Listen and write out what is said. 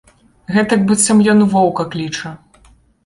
Гэтак быццам ён воўка кліча.